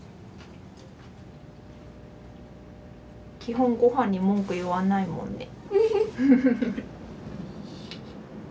基本ごはんに文句言わないもんね。